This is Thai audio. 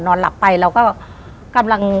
นอนหลับไปเราก็กำลัง